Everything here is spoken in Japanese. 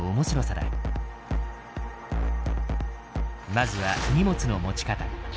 まずは荷物の持ち方。